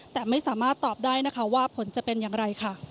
แต่ไม่สามารถตอบได้นะคะว่าผลจะเป็นอย่างไรค่ะ